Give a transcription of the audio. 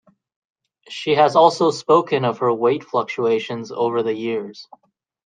She has also spoken of her weight fluctuations over the years.